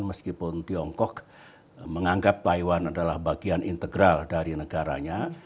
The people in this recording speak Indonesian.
meskipun tiongkok menganggap taiwan adalah bagian integral dari negaranya